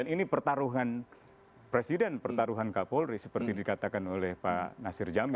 dan ini pertaruhan presiden pertaruhan kak polri seperti dikatakan oleh pak nasir jamil